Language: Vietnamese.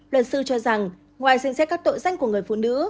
luật sư cho rằng ngoài xem xét các tội danh của người phụ nữ